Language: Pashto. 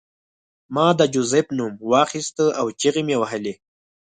ما د جوزف نوم واخیست او چیغې مې وهلې